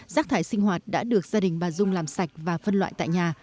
rác thải sinh hoạt đã được gia đình bà dung làm sạch và phân loại tại nhà